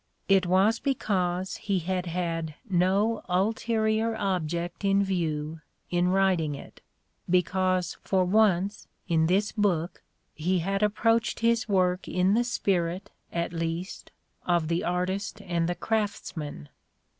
It was because he had had no ulterior object in view in writing it, because, for once, in this book, he had approached his work in the spirit, at least, of the artist and the craftsman.